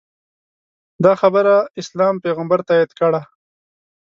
دا خبره اسلام پیغمبر تاییده کړه